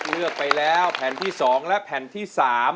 เลือกไปแล้วแผ่นที่๒และแผ่นที่๓